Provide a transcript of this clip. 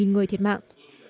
một mươi người thiệt mạng